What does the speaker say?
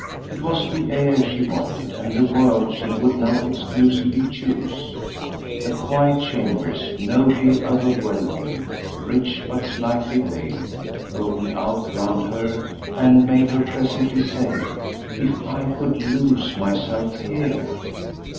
It was the air she wanted and the world she would now exclusively choose; the quiet chambers, nobly overwhelming, rich but slightly veiled, opened out round her and made her presently say "If I could lose myself HERE!"